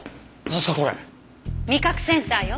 味覚センサーよ。